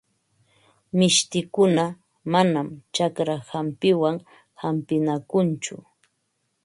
Mishtikuna manam chakra hampiwan hampinakunchu.